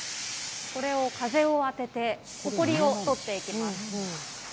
これを風を当てて、ほこりを取っていきます。